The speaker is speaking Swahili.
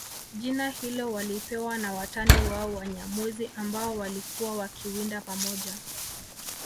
Jina hilo walipewa na watani wao Wanyamwezi ambao walikuwa wakiwinda pamoja